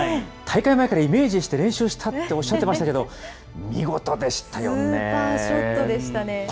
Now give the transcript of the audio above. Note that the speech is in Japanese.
大会前からイメージして練習したっておっしゃってましたけど、見スーパーショットでしたね。